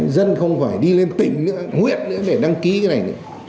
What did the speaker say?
dân không phải đi lên tỉnh nguyện để đăng ký cái này nữa